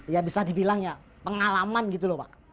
ya bisa dibilang ya pengalaman gitu loh pak